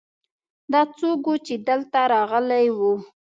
دا څوک ؤ چې دلته راغلی ؤ